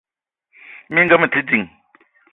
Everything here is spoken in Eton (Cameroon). Minga mete ding.